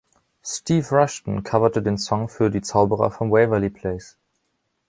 Steve Rushton coverte den Song für „Die Zauberer vom Waverly Place“.